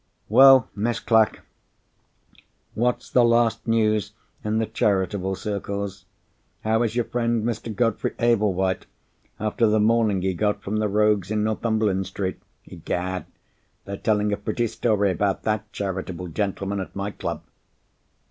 "Well, Miss Clack, what's the last news in the charitable circles? How is your friend Mr. Godfrey Ablewhite, after the mauling he got from the rogues in Northumberland Street? Egad! they're telling a pretty story about that charitable gentleman at my club!"